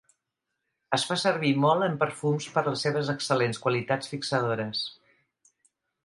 Es fa servir molt en perfums per les seves excel·lents qualitats fixadores.